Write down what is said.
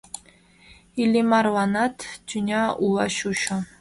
Иллимарланат тӱня ула чучо.